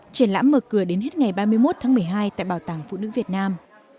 triển lãm mở cửa đến hết ngày ba mươi một tháng một mươi hai tại bảo tàng phụ nữ việt nam